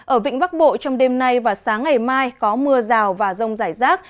ở vịnh bắc bộ trong đêm nay và sáng ngày mai có mưa rào và rông rải rác